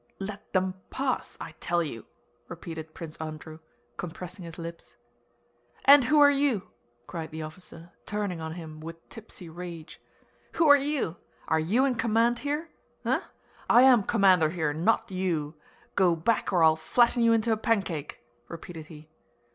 "Let them pass, I tell you!" repeated Prince Andrew, compressing his lips. "And who are you?" cried the officer, turning on him with tipsy rage, "who are you? Are you in command here? Eh? I am commander here, not you! Go back or I'll flatten you into a pancake," repeated he.